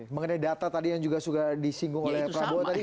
mengenai data tadi yang juga sudah disinggung oleh prabowo tadi